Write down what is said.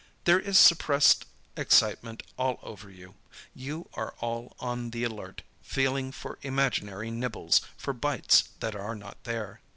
There is suppressed excitement all over you. You are all on the alert, feeling for imaginary nibbles, for bites that are not there.